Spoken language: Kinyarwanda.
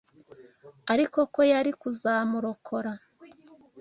ariko ko yari kuzamurokora